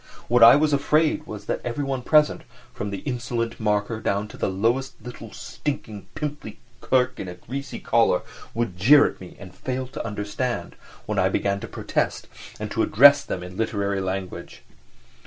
What I was afraid of was that everyone present, from the insolent marker down to the lowest little stinking, pimply clerk in a greasy collar, would jeer at me and fail to understand when I began to protest and to address them in literary language.